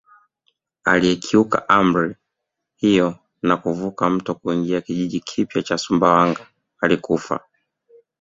Aliyekiuka amri hiyo na kuvuka mto kuingia kijiji kipya cha Sumbawanga alikufa